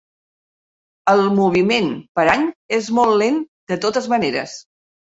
El moviment per any és molt lent, de totes maneres.